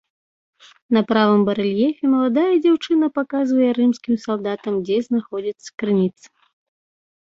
На правым барэльефе маладая дзяўчына паказвае рымскім салдатам, дзе знаходзіцца крыніца.